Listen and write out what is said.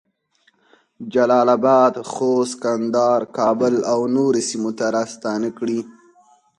جلال اباد، خوست، کندهار، کابل اونورو سیمو ته راستنه کړې